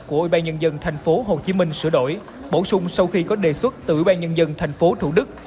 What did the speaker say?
của ủy ban nhân dân tp hcm sửa đổi bổ sung sau khi có đề xuất từ ủy ban nhân dân tp thủ đức